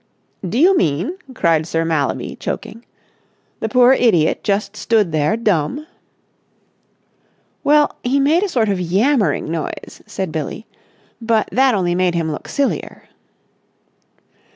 "Do you mean," cried Sir Mallaby, choking, "the poor idiot just stood there dumb?" "Well, he made a sort of yammering noise," said Billie, "but that only made him look sillier."